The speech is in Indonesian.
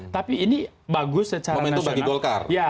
tapi ini bagus secara nasional